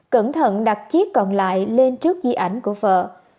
cẩn thận đặt chiếc còn lại lên trước di ảnh của vợ